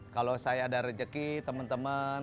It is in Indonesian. kalau saya ada rejeki temen temen